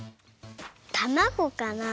たまごかな？